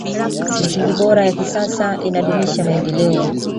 misingi bora ya kisasa inadumisha maendeleo